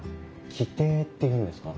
旗亭っていうんですか？